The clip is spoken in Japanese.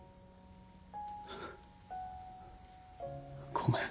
ごめん。